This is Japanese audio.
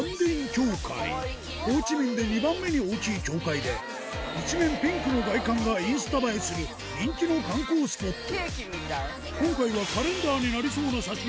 ホーチミンで２番目に大きい教会で一面ピンクの外観がインスタ映えする人気の観光スポット